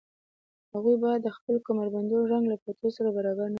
هغوی باید د خپلو کمربندونو رنګ له بټوو سره برابر نه کړي